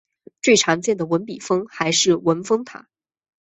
最常见的文笔峰还是文峰塔。